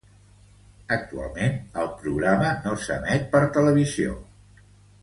Actualment el programa no s'emet per televisió.